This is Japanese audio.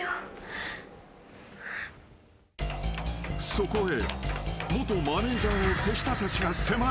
［そこへ］